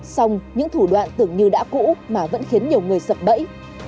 xong những thủ đoạn tưởng như đã cũ mà vẫn khiến nhiều người sập bẫy